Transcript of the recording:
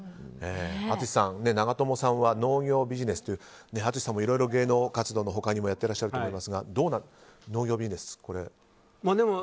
淳さん、長友さんは農業ビジネスという淳さんもいろいろ芸能活動の他にやってらっしゃると思いますがどうですか、農業ビジネス。